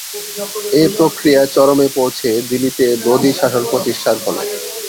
এ প্রক্রিয়া চরমে পৌঁছে দিলিতে লোদী শাসন প্রতিষ্ঠার ফলে।